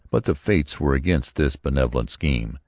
But the fates were against this benevolent scheme.